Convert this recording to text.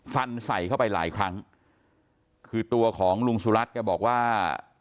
ฟันใส่เข้าไปหลายครั้งคือตัวของลุงสุรัตน์แกบอกว่า